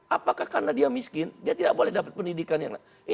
apakah karena dia miskin dia tidak boleh dapat pendidikan yang lain